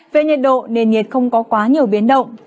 về nhiệt độ nền nhiệt không có quá nhiều biến động